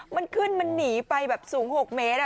มันขึ้นมันหนีไปแบบสูง๖เมตร